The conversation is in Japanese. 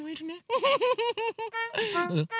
ウフフフフ。